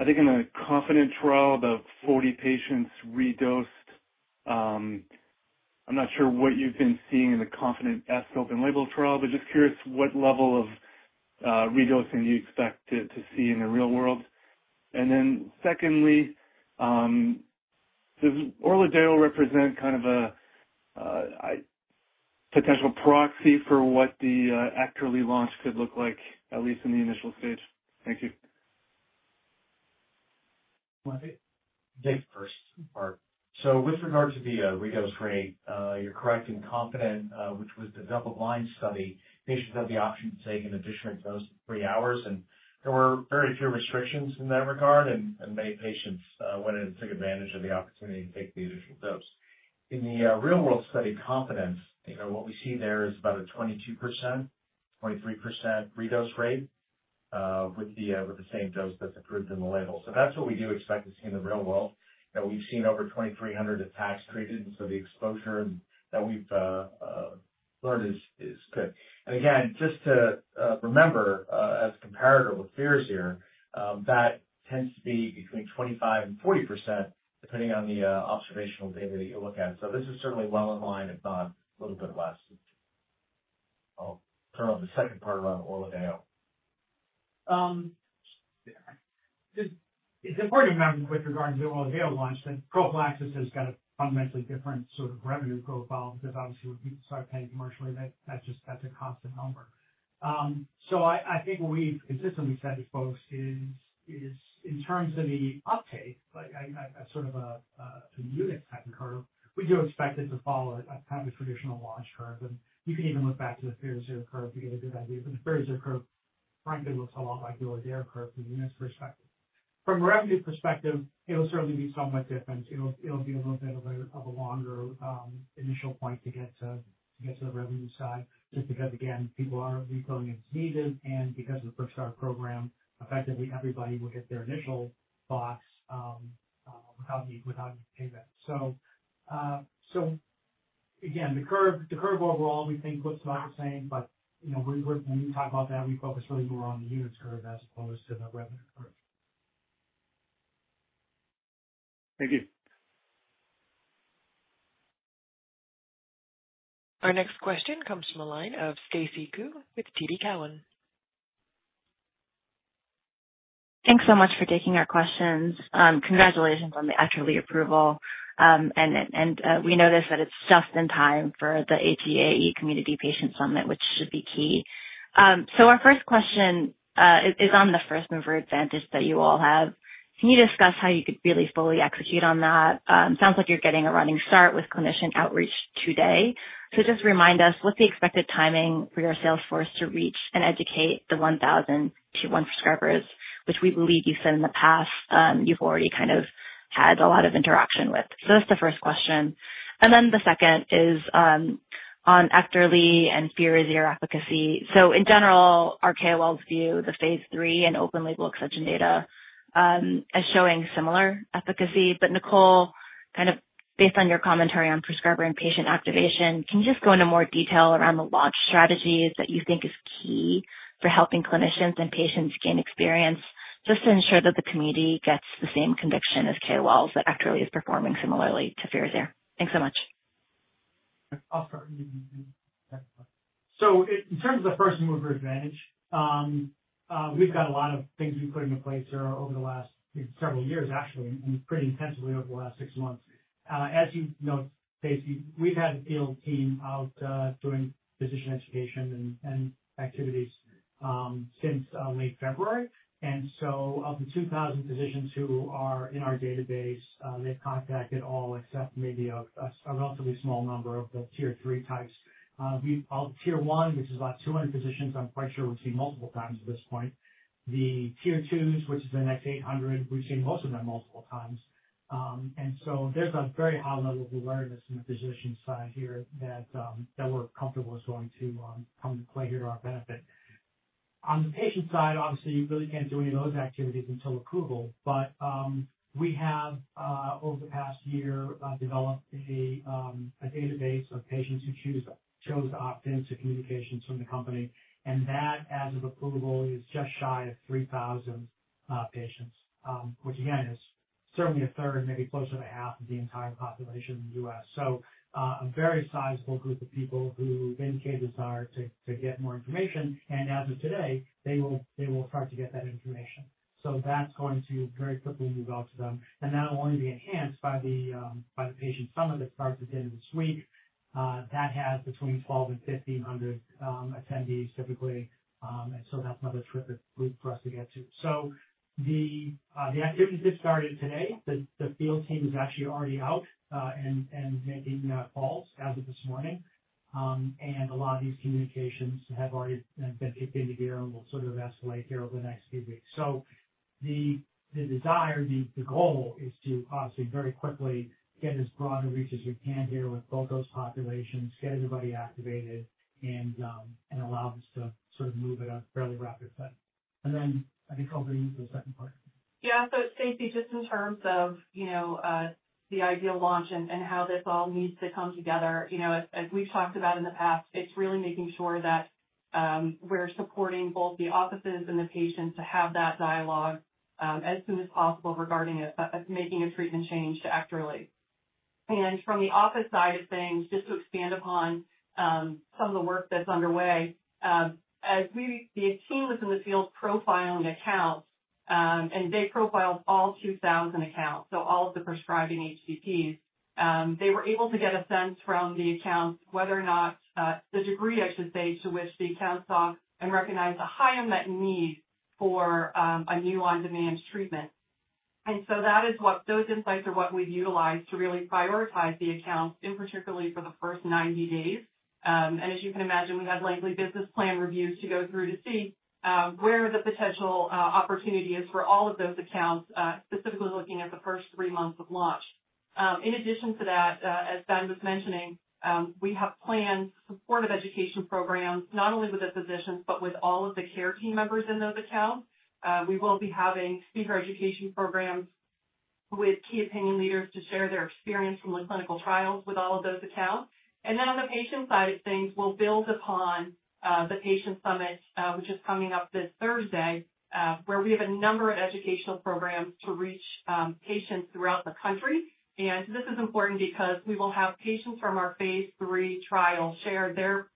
I think in the KONFIDENT trial, about 40 patients redosed. I'm not sure what you've been seeing in the KONFIDENT open-label trial, but just curious what level of redosing you expect to see in the real world. Secondly, does Orladeyo represent kind of a potential proxy for what the Ekterly launch could look like, at least in the initial stage? Thank you. I think the first part. With regard to the redose rate, you're correct in KONFIDENT, which was the double-blind study. Patients have the option to take an additional dose at three hours, and there were very few restrictions in that regard, and many patients went in and took advantage of the opportunity to take the initial dose. In the real-world study, KONFIDENT, what we see there is about a 22%, 23% redose rate, with the same dose that's approved in the label. That's what we do expect to see in the real world. We've seen over 2,300 attacks treated, and so the exposure and that we've learned is good. Again, just to remember, as a comparator with Firazyr, that tends to be between 25% and 40% depending on the observational data that you look at. This is certainly well in line, if not a little bit less. I'll turn on the second part over to Ben. It's important to remember with regard to the Ekterly launch that prophylaxis has got a fundamentally different sort of revenue profile because obviously when people start paying commercially, that's just a constant number. I think what we've consistently said to folks is, in terms of the uptake, like a sort of a unit type of curve, we do expect it to follow a kind of a traditional launch curve. You can even look back to the Firazyr curve to get a good idea. The Firazyr curve, frankly, looks a lot like the Ekterly curve from a units perspective. From a revenue perspective, it'll certainly be somewhat different. It'll be a little bit of a longer initial point to get to the revenue side just because, again, people are refilling as needed, and because of the QuickStart program, effectively everybody will get their initial box without needing to pay that. Again, the curve overall we think looks about the same, but when we talk about that, we focus really more on the units curve as opposed to the revenue curve. Thank you. Our next question comes from the line of Stacy Ku with TD Cowen. Thanks so much for taking our questions. Congratulations on the Ekterly approval. We know that it's just in time for the HAE community patient summit, which should be key. Our first question is on the first mover advantage that you all have. Can you discuss how you could really fully execute on that? It sounds like you're getting a running start with clinician outreach today. Just remind us what's the expected timing for your sales force to reach and educate the 1,000 tier one prescribers, which we believe you said in the past you've already kind of had a lot of interaction with. That's the first question. The second is on Ekterly and Firazyr efficacy. In general, our KOLs view the phase III and open-label extension data as showing similar efficacy. Nicole, based on your commentary on prescriber and patient activation, can you go into more detail around the launch strategies that you think are key for helping clinicians and patients gain experience just to ensure that the community gets the same conviction as KOLs that Ekterly is performing similarly to Firazyr? Thanks so much. In terms of the first mover advantage, we've got a lot of things we've put into place here over the last several years, actually, and pretty intensively over the last six months. As you note, Stacy, we've had a field team out, doing physician education and activities, since late February. Of the 2,000 physicians who are in our database, they've contacted all except maybe a relatively small number of the tier three types. All the tier one, which is about 200 physicians, I'm quite sure we've seen multiple times at this point. The tier twos, which is the next 800, we've seen most of them multiple times. There's a very high level of awareness on the physician side here that we're comfortable is going to come into play here to our benefit. On the patient side, obviously, you really can't do any of those activities until approval. Over the past year, we've developed a database of patients who chose to opt into communications from the company. As of approval, that is just shy of 3,000 patients, which again is certainly a third, maybe closer to half of the entire population in the U.S. A very sizable group of people have indicated desire to get more information. As of today, they will start to get that information. That's going to very quickly move out to them. That will only be enhanced by the patient summit that starts at the end of this week, which has between 1,200 and 1,500 attendees typically. That's another terrific group for us to get to. The activities have started today. The field team is actually already out and making calls as of this morning. A lot of these communications have already been kicked into gear and will escalate here over the next few weeks. The desire, the goal is to very quickly get as broad a reach as we can here with both those populations, get everybody activated, and allow this to move at a fairly rapid foot. I think over to you for the second part. Yeah. Stacy, just in terms of the ideal launch and how this all needs to come together, as we've talked about in the past, it's really making sure that we're supporting both the offices and the patients to have that dialogue as soon as possible regarding making a treatment change to Ekterly. From the office side of things, just to expand upon some of the work that's underway, as the team was in the field profiling accounts, they profiled all 2,000 accounts, so all of the prescribing HCPs. They were able to get a sense from the accounts whether or not, the degree, I should say, to which the accounts saw and recognized a higher unmet need for a new on-demand treatment. Those insights are what we've utilized to really prioritize the accounts, particularly for the first 90 days. As you can imagine, we had lengthy business plan reviews to go through to see where the potential opportunity is for all of those accounts, specifically looking at the first three months of launch. In addition to that, as Ben was mentioning, we have planned supportive education programs, not only with the physicians but with all of the care team members in those accounts. We will be having speaker education programs with key opinion leaders to share their experience from the clinical trials with all of those accounts. On the patient side of things, we'll build upon the patient summit, which is coming up this Thursday, where we have a number of educational programs to reach patients throughout the country. This is important because we will have patients from our phase III trial share their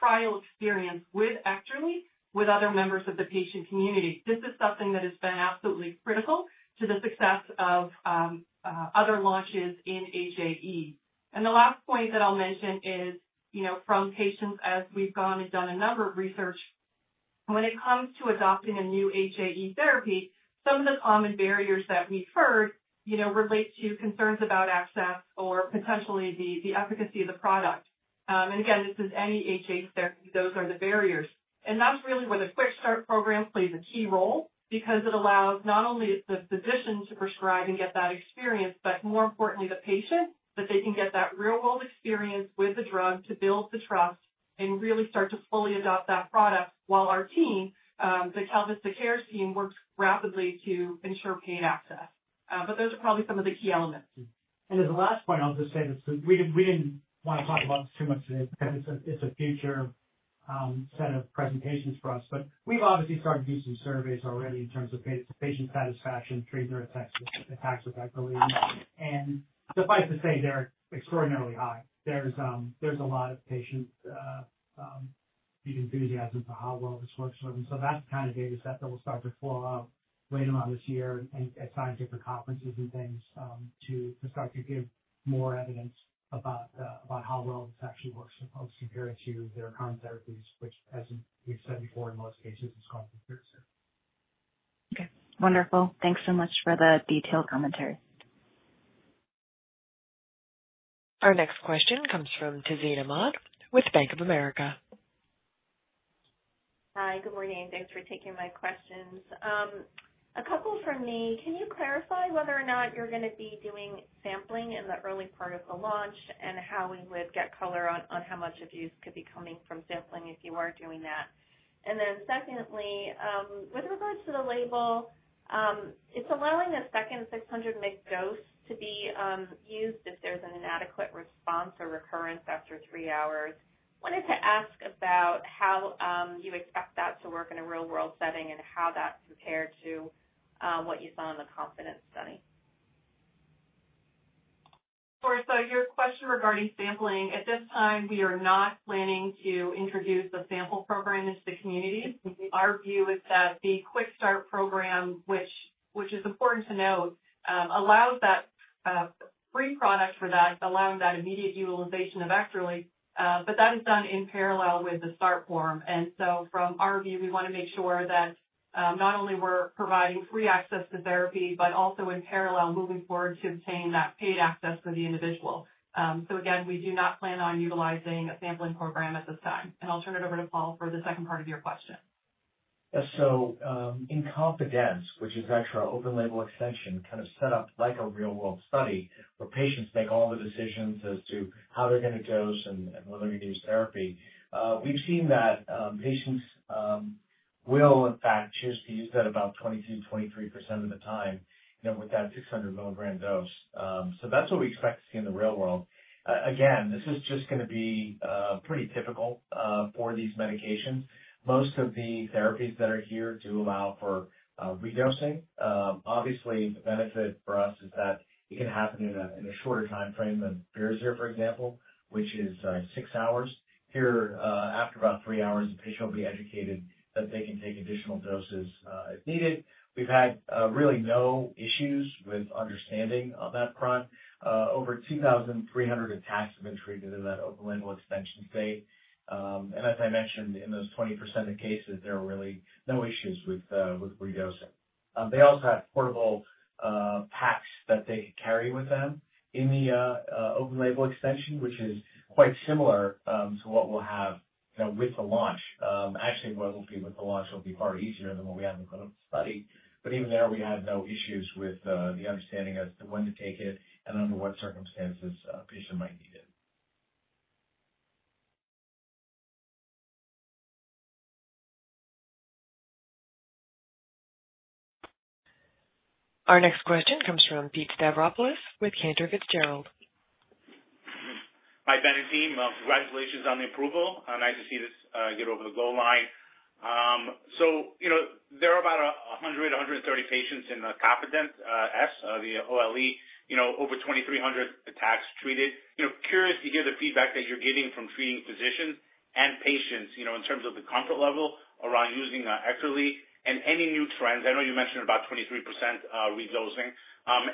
trial experience with Ekterly with other members of the patient community. This is something that has been absolutely critical to the success of other launches in HAE. The last point that I'll mention is, from patients, as we've gone and done a number of research, when it comes to adopting a new HAE therapy, some of the common barriers that we've heard relate to concerns about access or potentially the efficacy of the product. Again, this is any HAE therapy. Those are the barriers. That's really where the QuickStart program plays a key role because it allows not only the physician to prescribe and get that experience, but more importantly, the patient, that they can get that real-world experience with the drug to build the trust and really start to fully adopt that product while our team, the KalVista Cares team, works rapidly to ensure paid access. Those are probably some of the key elements. As a last point, I'll just say that we didn't want to talk about this too much today because it's a future set of presentations for us. We've obviously started to do some surveys already in terms of patient satisfaction, treatment attacks with Ekterly. Suffice to say, they're extraordinarily high. There's a lot of patients, big enthusiasm for how well this works for them. That's the kind of data set that we'll start to flow out later on this year at different conferences and things to start to give more evidence about how well this actually works for folks compared to their current therapies, which, as we've said before, in most cases, is called the standard therapy. Okay. Wonderful. Thanks so much for the detailed commentary. Our next question comes from Tazeen Ahmad with Bank of America. Hi. Good morning. Thanks for taking my questions. A couple from me. Can you clarify whether or not you're going to be doing sampling in the early part of the launch and how we would get color on how much abuse could be coming from sampling if you are doing that? Secondly, with regards to the label, it's allowing the second 600-mg dose to be used if there's an inadequate response or recurrence after three hours. Wanted to ask about how you expect that to work in a real-world setting and how that compared to what you saw in the KONFIDENT study. Sure. Your question regarding sampling, at this time, we are not planning to introduce the sample program into the community. Our view is that the QuickStart program, which is important to note, allows that free product for that, allowing that immediate utilization of Ekterly, but that is done in parallel with the start form. From our view, we want to make sure that not only we're providing free access to therapy, but also in parallel moving forward to obtain that paid access for the individual. We do not plan on utilizing a sampling program at this time. I'll turn it over to Paul for the second part of your question. Yes. In KONFIDENT, which is actually our open-label extension, kind of set up like a real-world study where patients make all the decisions as to how they're going to dose and whether they're going to use therapy, we've seen that patients will, in fact, choose to use that about 22%-23% of the time with that 600-mg dose. That's what we expect to see in the real world. This is just going to be pretty typical for these medications. Most of the therapies that are here do allow for redosing. Obviously, the benefit for us is that it can happen in a shorter time frame than Firazyr, for example, which is six hours. Here, after about three hours, the patient will be educated that they can take additional doses if needed. We've had really no issues with understanding on that front. Over 2,300 attacks have been treated in that open-label extension state. As I mentioned, in those 20% of the cases, there are really no issues with redosing. They also have portable packs that they could carry with them. In the open-label extension, which is quite similar to what we'll have with the launch, actually, what it will be with the launch will be far easier than what we had in the clinical study. Even there, we had no issues with the understanding as to when to take it and under what circumstances a patient might need it. Our next question comes from Pete Stavropoulos with Cantor Fitzgerald. Hi, Ben and team. Congratulations on the approval. Nice to see this get over the goal line. There are about 100, 130 patients in the KONFIDENT, the OLE, over 2,300 attacks treated. Curious to hear the feedback that you're getting from treating physicians and patients in terms of the comfort level around using Ekterly and any new trends. I know you mentioned about 23% redosing.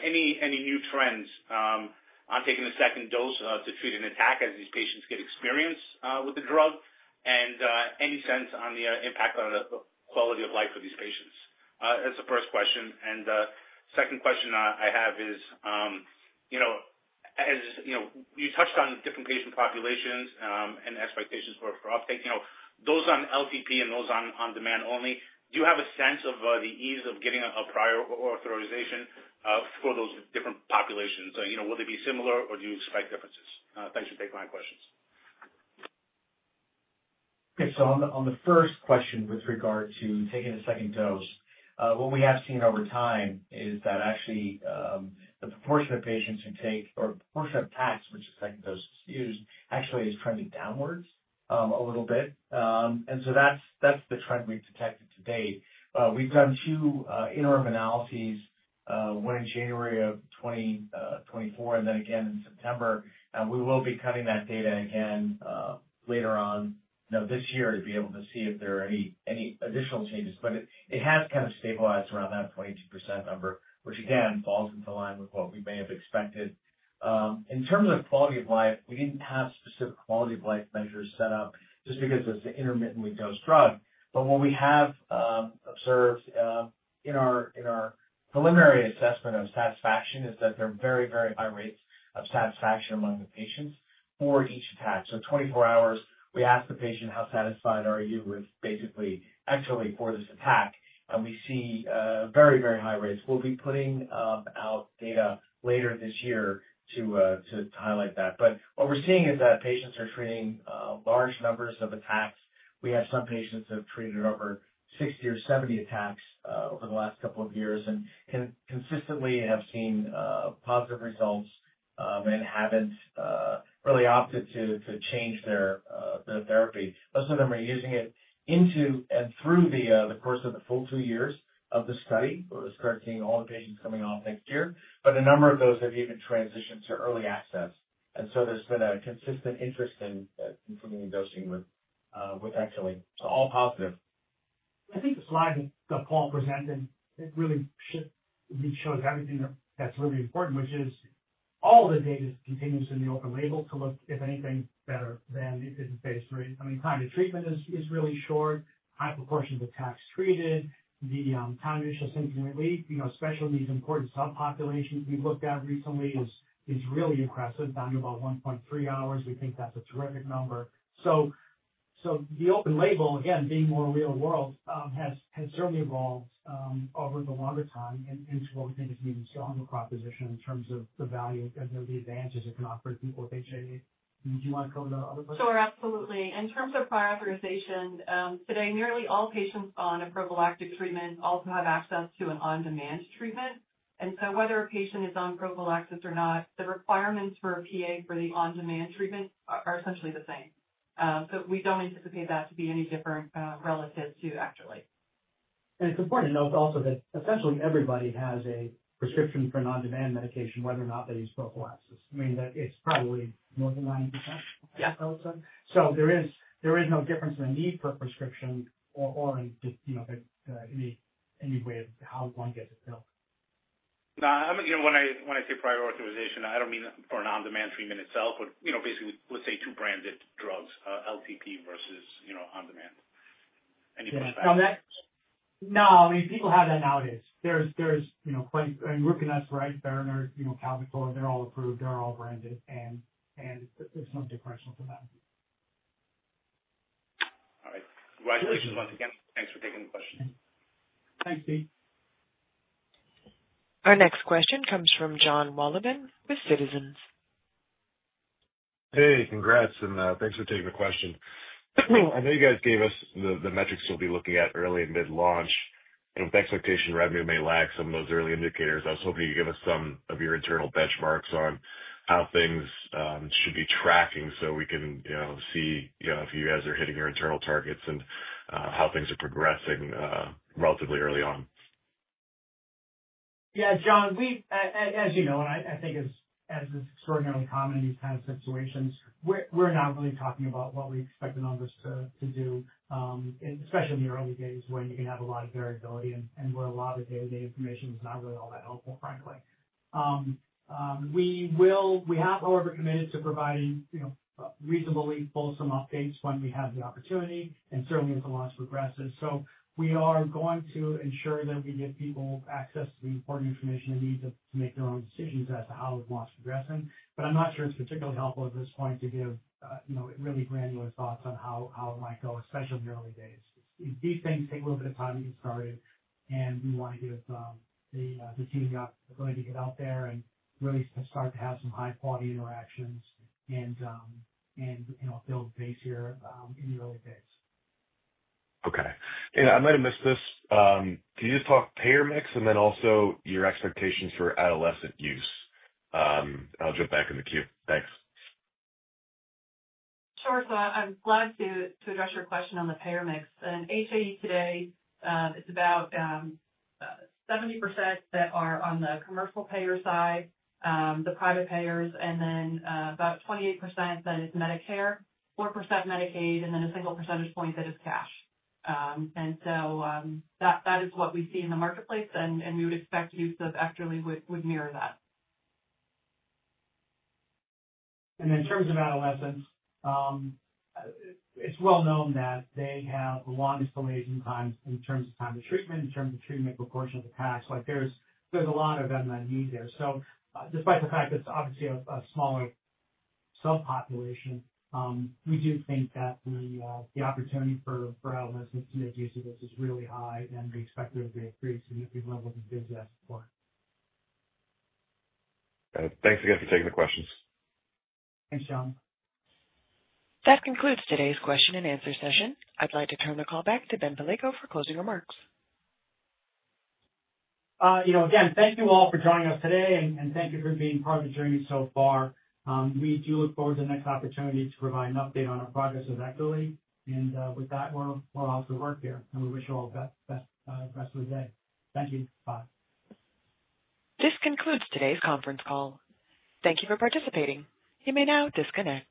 Any new trends on taking a second dose to treat an attack as these patients get experience with the drug? Any sense on the impact on the quality of life for these patients? That's the first question. The second question I have is, as you touched on different patient populations and expectations for uptake, those on LTP and those on on-demand only, do you have a sense of the ease of getting a prior authorization for those different populations? Will they be similar, or do you expect differences? Thanks for taking my questions. Okay. On the first question with regard to taking a second dose, what we have seen over time is that actually, the proportion of patients who take or the proportion of packs which the second dose is used actually is trending downwards a little bit. That's the trend we've detected to date. We've done two interim analyses, one in January of 2024 and then again in September. We will be cutting that data again later on this year to be able to see if there are any additional changes. It has kind of stabilized around that 22% number, which again falls into line with what we may have expected. In terms of quality of life, we didn't have specific quality of life measures set up just because it's an intermittently dosed drug. What we have observed in our preliminary assessment of satisfaction is that there are very, very high rates of satisfaction among the patients for each attack. So 24 hours, we ask the patient, "How satisfied are you with basically Ekterly for this attack?" and we see very, very high rates. We'll be putting out data later this year to highlight that. What we're seeing is that patients are treating large numbers of attacks. We have some patients that have treated over 60 or 70 attacks over the last couple of years and consistently have seen positive results and haven't really opted to change their therapy. Most of them are using it into and through the course of the full two years of the study. We'll start seeing all the patients coming off next year. A number of those have even transitioned to early access. There's been a consistent interest in improving the dosing with Ekterly. All positive. I think the slide that Paul presented, it really shows everything that's really important, which is all the data continues in the open-label to look, if anything, better than if it's in phase III. I mean, time to treatment is really short. High proportion of attacks treated. The time to initial symptom relief, you know, especially in these important subpopulations we've looked at recently is really impressive, down to about 1.3 hours. We think that's a terrific number. The open-label, again, being more real-world, has certainly evolved over the longer time into what we think is an even stronger proposition in terms of the value and the advantages it can offer to people with HAE. Do you want to go to the other question? Sure. Absolutely. In terms of prior authorization, today, nearly all patients on a prophylactic treatment also have access to an on-demand treatment. Whether a patient is on prophylaxis or not, the requirements for a PA for the on-demand treatment are essentially the same. We don't anticipate that to be any different, relative to Ekterly. It's important to note also that essentially everybody has a prescription for an on-demand medication whether or not they use prophylaxis. I mean, it's probably more than 90%. Yes. There is no difference in the need for a prescription or in just, you know, any way of how one gets it filled. Now, I'm going to give you, when I say prior authorization, I don't mean for an on-demand treatment itself, but, you know, basically, let's say two branded drugs, LTP versus, you know, on-demand. Any perspective? Yeah. No, I mean, people have that nowadays. There's quite a grouping, right? Berinert, Kalbitor, they're all approved. They're all branded, and there's no differential for them. All right. Congratulations once again. Thanks for taking the question. Thanks, Pete. Our next question comes from Jon Wolleben with Citizens. Hey, congrats, and thanks for taking the question. I know you guys gave us the metrics you'll be looking at early and mid-launch, and with expectation revenue may lag some of those early indicators. I was hoping you could give us some of your internal benchmarks on how things should be tracking so we can see if you guys are hitting your internal targets and how things are progressing relatively early on. Yeah, Jon, as you know, it's extraordinarily common in these kind of situations, we're not really talking about what we expect the numbers to do, especially in the early days when you can have a lot of variability and where a lot of the day-to-day information is not really all that helpful, frankly. We have, however, committed to providing reasonably wholesome updates when we have the opportunity and certainly as the launch progresses. We are going to ensure that we give people access to the important information they need to make their own decisions as to how the launch is progressing. I'm not sure it's particularly helpful at this point to give really granular thoughts on how it might go, especially in the early days. These things take a little bit of time to get started, and we want to give the team the opportunity to get out there and really start to have some high-quality interactions and build base here in the early days. Okay. I might have missed this. Can you just talk payer mix and then also your expectations for adolescent use? I'll jump back in the queue. Thanks. Sure. I'm glad to address your question on the payer mix. In HAE today, it's about 70% that are on the commercial payer side, the private payers, and then about 28% that is Medicare, 4% Medicaid, and then a single percentage point that is cash. That is what we see in the marketplace, and we would expect use of Ekterly would mirror that. In terms of adolescents, it's well known that they have the longest delays in time to treatment, in terms of treatment proportion of attacks. There's a lot of unmet need there. Despite the fact that it's obviously a smaller subpopulation, we do think that the opportunity for adolescents to make use of this is really high, and we expect there to be a pretty significant level of enthusiasm for it. Thanks again for taking the questions. Thanks, John. That concludes today's question and answer session. I'd like to turn the call back to Ben Palleiko for closing remarks. Thank you all for joining us today, and thank you for being part of the journey so far. We do look forward to the next opportunity to provide an update on our progress with Ekterly. With that, we're off to work here, and we wish you all the best rest of the day. Thank you. Bye. This concludes today's conference call. Thank you for participating. You may now disconnect.